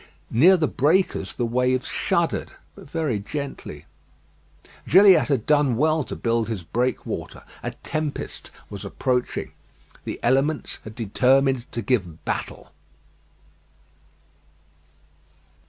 Near the breakers the waves shuddered; but very gently. Gilliatt had done well to build his breakwater. A tempest was approaching. The elements had determined to give battle.